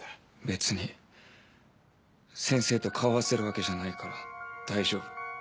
別に先生と顔を合わせるわけじゃないから大丈夫。